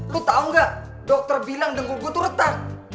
lo tau gak dokter bilang dengul gue tuh retak